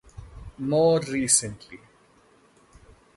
More recently.